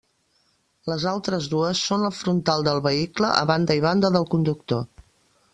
Les altres dues són al frontal del vehicle, a banda i banda del conductor.